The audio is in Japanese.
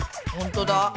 ほんとだ。